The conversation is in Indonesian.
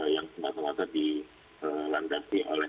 yang semata mata dilandasi oleh